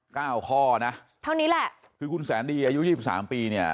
ข้อนะเท่านี้แหละคือคุณแสนดีอายุยี่สิบสามปีเนี่ย